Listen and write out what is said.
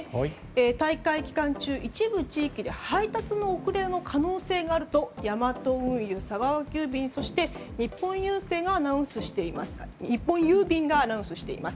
大会期間中、一部地域で配達の遅れの可能性があるとヤマト運輸、佐川急便日本郵便がアナウンスしています。